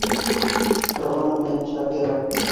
Торғаны менән Шакира.